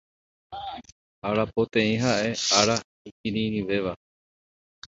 Arapoteĩ ha'e ára ikirirĩvéva.